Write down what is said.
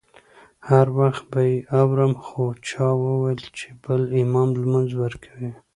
هر وخت به یې اورم خو چا وویل چې بل امام لمونځ ورکوي.